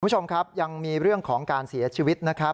คุณผู้ชมครับยังมีเรื่องของการเสียชีวิตนะครับ